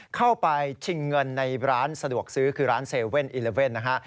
เข้าไปชิงเงินในร้านสะดวกซื้อคือร้าน๗๑๑นะฮะ